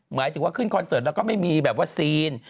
หมายถึงว่าขึ้นคอนเสิร์ตแล้วก็ไม่มีแบบวัคซีน